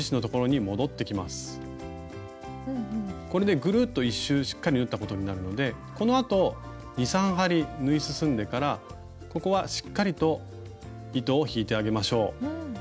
これでぐるっと１周しっかり縫ったことになるのでこのあと２３針縫い進んでからここはしっかりと糸を引いてあげましょう。